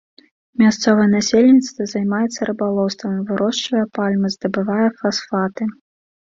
Мясцовае насельніцтва займаецца рыбалоўствам, вырошчвае пальмы, здабывае фасфаты.